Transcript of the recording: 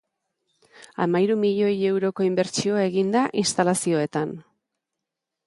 Hamahiru milioi euroko inbertsioa egin da instalazioetan.